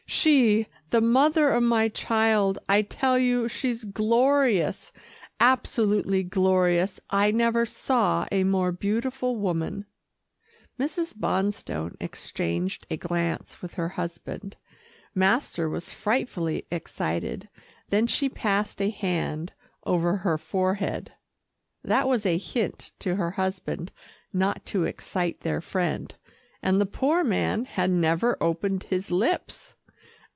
She, the mother of my child. I tell you, she's glorious absolutely glorious. I never saw a more beautiful woman." Mrs. Bonstone exchanged a glance with her husband. Master was frightfully excited. Then she passed a hand over her forehead. That was a hint to her husband not to excite their friend, and the poor man had never opened his lips.